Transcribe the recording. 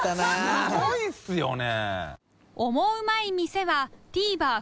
すごいですよね。